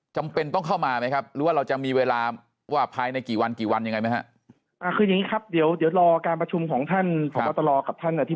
จำเป็นต้องเข้ามาไหมแล้วเราจะมีเวลาว่าภายในกี่วันกี่วันยังไง